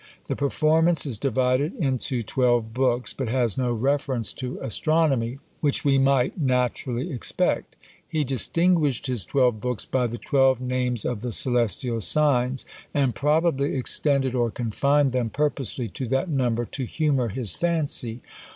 The performance is divided into twelve books, but has no reference to astronomy, which we might naturally expect. He distinguished his twelve books by the twelve names of the celestial signs, and probably extended or confined them purposely to that number, to humour his fancy.